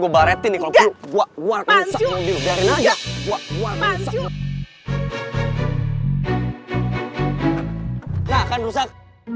gua baretin kalau gua gua kan rusak mobil dari naga gua gua masuk nah kan rusak